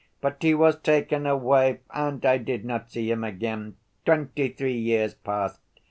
But he was taken away, and I did not see him again. Twenty‐ three years passed.